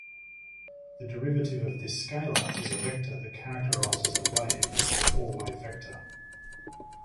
The derivative of this scalar is a vector that characterizes the wave, the four-wavevector.